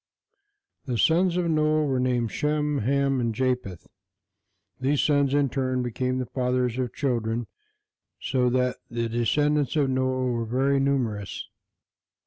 The sons of Noah were named Shem, Ham and Japheth. These sons in turn became the fathers of children so that the descendants of Noah were very numerous.